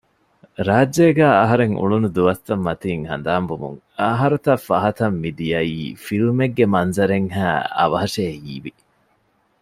ރާއްޖޭގައި އަހަރެން އުޅުނު ދުވަސްތައް މަތީން ހަނދާން ވުމުން އަހަރުތައް ފަހަތަށް މިދިޔައީ ފިލްމެއްގެ މަންޒަރެއްހައި އަވަހަށޭ ހީވި